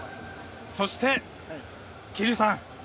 そして、桐生さん。